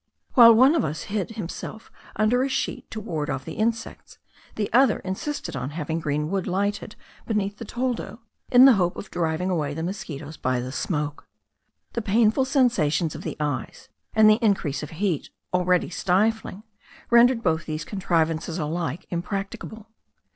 While one of us hid himself under a sheet to ward off the insects, the other insisted on having green wood lighted beneath the toldo, in the hope of driving away the mosquitos by the smoke. The painful sensations of the eyes, and the increase of heat, already stifling, rendered both these contrivances alike impracticable.